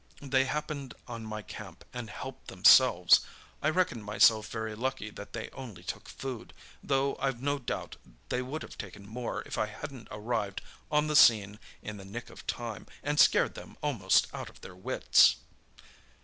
They happened on my camp, and helped themselves; I reckoned myself very lucky that they only took food, though I've no doubt they would have taken more if I hadn't arrived on the scene in the nick of time and scared them almost out of their wits."